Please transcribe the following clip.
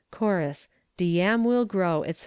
CHORUS De yam will grow, etc.